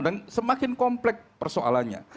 dan semakin komplek persoalannya